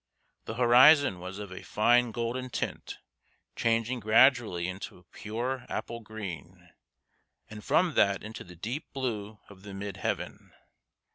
The horizon was of a fine golden tint, changing gradually into a pure apple green, and from that into the deep blue of the mid heaven.